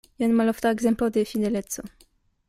Jen malofta ekzemplo de fideleco.